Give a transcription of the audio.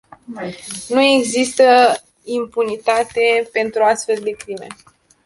Nu poate exista impunitate pentru astfel de crime.